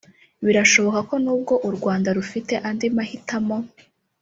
Birashoboka ko nubwo u Rwanda rufite andi mahitamo